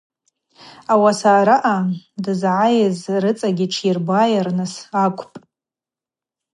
Ауаса араъа дызгӏайыз рыцӏагьи тшйырбайарныс акӏвпӏ.